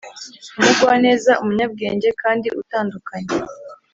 umugwaneza, umunyabwenge kandi utandukanye.